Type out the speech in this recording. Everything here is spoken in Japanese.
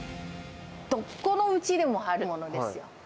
どこのうちでもあるものですよ。